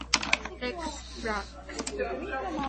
Legs black.